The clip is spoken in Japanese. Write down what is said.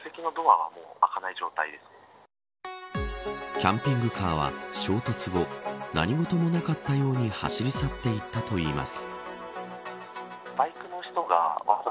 キャンピングカーは衝突後何事もなかったかのように走り去っていったといいます。